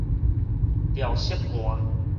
調色盤